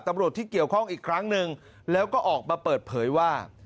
ตำรวจที่เกี่ยวข้องอีกครั้งหนึ่งแล้วก็ออกมาเปิดเผยว่า